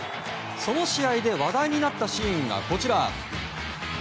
その試合で話題になったシーンがこちら。